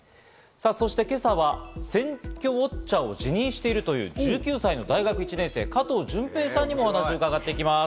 そして今朝は選挙ウォッチャーを自認している１９歳の大学１年生・加藤準平さんにもお話を伺っていきます。